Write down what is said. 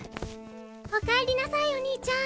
おかえりなさいお兄ちゃん！